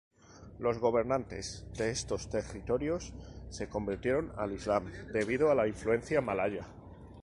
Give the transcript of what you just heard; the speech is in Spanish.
Los gobernantes de estos territorios se convirtieron al Islam debido a la influencia malaya.